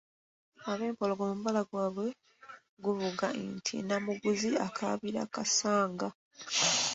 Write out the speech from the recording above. Abempologoma omubala gwabwe guvuga nti, “Namuguzi akaabira Kasagga."